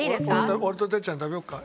俺と哲ちゃんで食べようか？